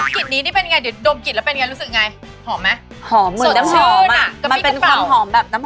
กลิ่นนี้เครื่องดมกลิ่นหรือเป็นไงรู้สึกไง